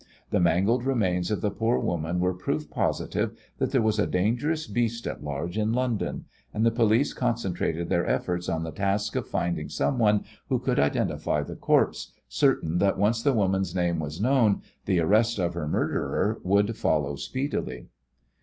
The mangled remains of the poor woman were proof positive that there was a dangerous beast at large in London, and the police concentrated their efforts on the task of finding someone who could identify the corpse, certain that once the woman's name was known the arrest of her murderer would follow speedily.